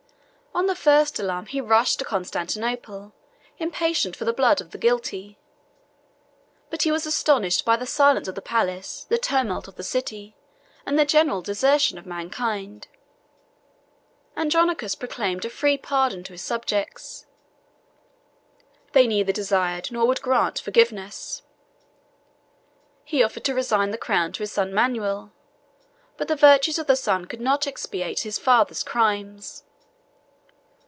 On the first alarm, he rushed to Constantinople, impatient for the blood of the guilty; but he was astonished by the silence of the palace, the tumult of the city, and the general desertion of mankind. Andronicus proclaimed a free pardon to his subjects; they neither desired, nor would grant, forgiveness; he offered to resign the crown to his son Manuel; but the virtues of the son could not expiate his father's crimes.